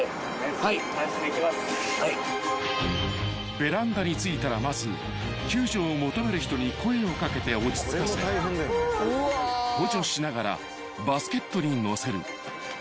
［ベランダに着いたらまず救助を求める人に声を掛けて落ち着かせ補助しながらバスケットに乗せる］